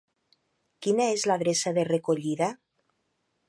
Quina és l'adreça de recollida?